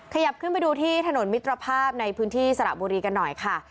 ขยับขึ้นไปดูที่ถนนมิตรภาพในพื้นที่สระบุรีกันหน่อยค่ะ